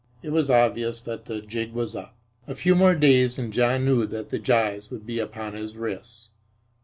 It was obvious that the jig was up. A few more days and John knew that the gyves would be upon his wrists.